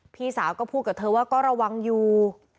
พี่สาวก็พูดกับเธอว่าก็ระวังอยู่